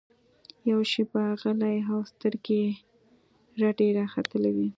يوه شېبه غلى و سترګې يې رډې راختلې وې.